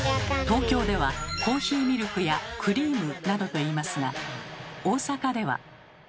東京では「コーヒーミルク」や「クリーム」などと言いますが大阪では。